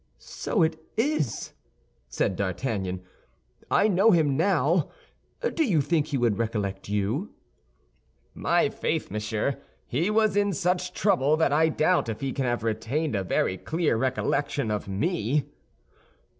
"So it is!" said D'Artagnan; "I know him now. Do you think he would recollect you?" "My faith, monsieur, he was in such trouble that I doubt if he can have retained a very clear recollection of me."